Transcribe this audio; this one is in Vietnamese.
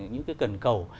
những cái cần cầu